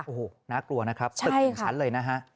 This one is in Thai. โอ้โหน่ากลัวนะครับตึกหนึ่งชั้นเลยนะฮะ